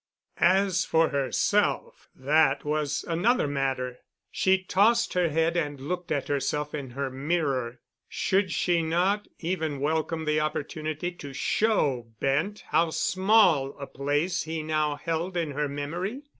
As for herself—that was another matter. She tossed her head and looked at herself in her mirror. Should she not even welcome the opportunity to show Bent how small a place he now held in her memory?